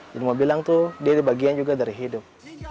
jadi mau bilang itu dia dibagian juga dari hidup